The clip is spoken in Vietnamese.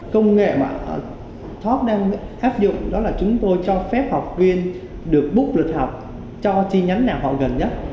công nghệ mà talk đang áp dụng đó là chúng tôi cho phép học viên được búc lịch học cho chi nhánh nào họ gần nhất